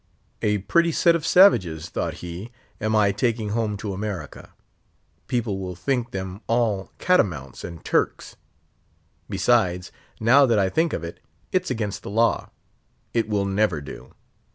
A pretty set of savages, thought he, am I taking home to America; people will think them all catamounts and Turks. Besides, now that I think of it, it's against the law. It will never do.